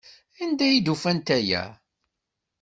Anda ay d-ufant aya?